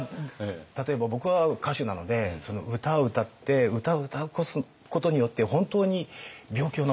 例えば僕は歌手なので歌を歌って歌を歌うことによって本当に病気を治してみたいとか。